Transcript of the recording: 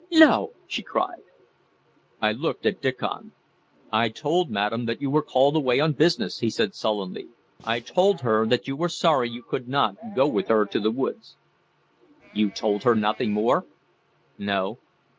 "No!" she cried. I looked at Diccon. "I told madam that you were called away on business," he said sullenly. "I told her that you were sorry you could not go with her to the woods." "You told her nothing more?" "No."